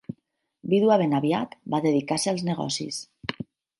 Vídua ben aviat, va dedicar-se als negocis.